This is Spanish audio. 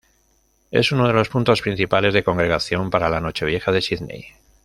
Es uno de los puntos principales de congregación para la Nochevieja de Sídney.